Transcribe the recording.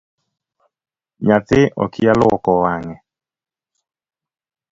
Nyathi okia luoko wange.